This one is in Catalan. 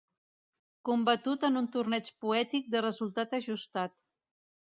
Combatut en un torneig poètic de resultat ajustat.